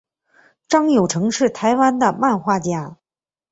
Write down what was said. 张友诚是台湾的漫画家。